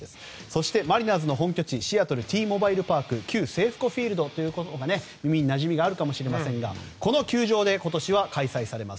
そしてマリナーズの本拠地シアトルＴ‐モバイル・パーク旧セーフコ・フィールドといったほうが耳なじみがあるかもしれませんがこの球場で今年は開催されます。